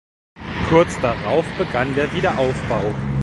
Kurz darauf begann der Wiederaufbau.